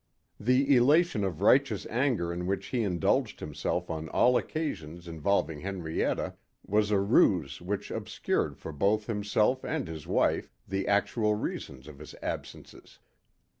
The elation of righteous anger in which he indulged himself on all occasions involving Henrietta, was a ruse which obscured for both himself and his wife the actual reasons of his absences.